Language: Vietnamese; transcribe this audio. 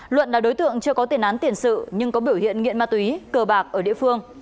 luận là đối tượng chưa có tiền án tiền sự nhưng có biểu hiện nghiện ma túy cờ bạc ở địa phương